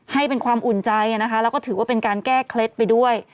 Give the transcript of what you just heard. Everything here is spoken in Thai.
ให้เป็นความอุ่นใจนะคะแล้วก็ถือว่าเป็นการแก้เคล็ดไปด้วย